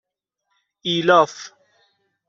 ایلاف